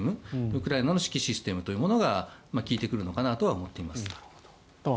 ウクライナの指揮システムというものが利いてくるのかなと思います。